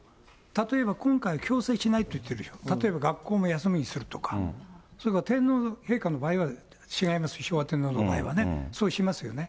例えば今回強制しないといってるでしょ、例えば学校も休みにするとか、それから天皇陛下の場合は違いますよ、昭和天皇の時代はね、そうしますよね。